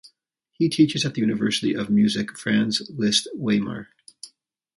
He teaches at the University of Music Franz Liszt Weimar.